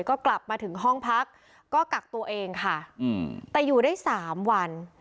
ก็กลับมาถึงห้องพักก็กักตัวเองค่ะแต่อยู่ได้สามวัน